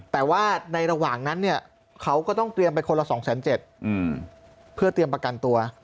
แต่ว่าในระหว่างนั้นเนี่ยเขาก็ต้องเตรียมไปคนละ๒๗๐๐เพื่อเตรียมประกันตัว